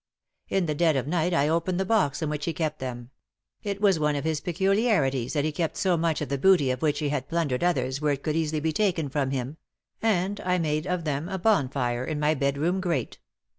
In the dead of night \ opened the box in which he kept them — it was owp of his peculiarities that he kept so much of tht booty of which he had plundered others where it could easily be taken from him — and I made of them a bonfire in my bedroom grate.